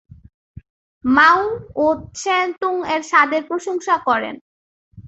মাও ৎসে-তুং এর স্বাদের প্রশংসা করেন।